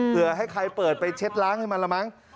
เพื่อให้ใครเปิดไปเช็ดล้างให้มันละมั้ง